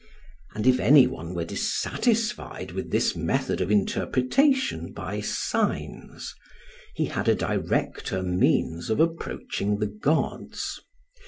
And if anyone were dissatisfied with this method of interpretation by signs, he had a directer means of approaching the gods.